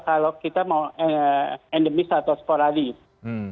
kalau kita mau endemis atau sporadis